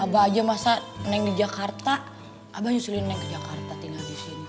abah aja masa neng di jakarta abah nyusulin neng ke jakarta tinggal di sini